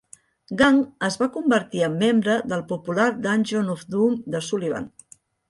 Gang es va convertir en membre del popular "Dungeon of Doom" de Sullivan.